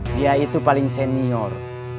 dia itu paling senior